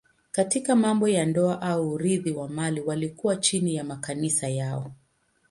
Katika mambo ya ndoa au urithi wa mali walikuwa chini ya makanisa yao.